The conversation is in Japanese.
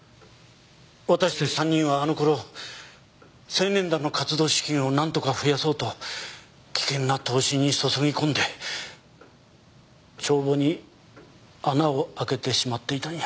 私たち３人はあの頃青年団の活動資金をなんとか増やそうと危険な投資に注ぎ込んで帳簿に穴を開けてしまっていたんや。